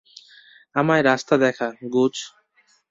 আমায় রাস্তা দেখা, গুজ।